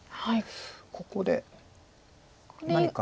ここで何か。